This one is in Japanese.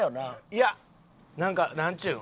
いやなんかなんちゅうの？